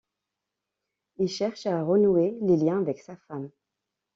Il cherche à renouer les liens avec sa femme.